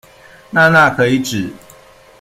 娜娜可以指：